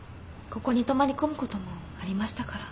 ここに泊まり込むこともありましたから。